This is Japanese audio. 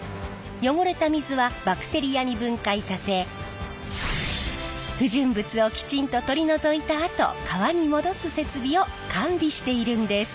汚れた水はバクテリアに分解させ不純物をきちんと取り除いたあと川に戻す設備を完備しているんです。